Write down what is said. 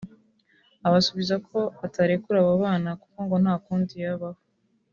abasubiza ko atarekura abo bana kuko ngo nta kundi yabaho